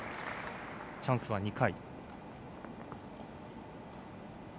チャンスは２回。